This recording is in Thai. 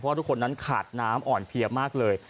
เพราะว่าทุกคนนั้นขาดน้ำอ่อนเพียบมากเลย